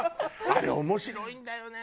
あれ面白いんだよね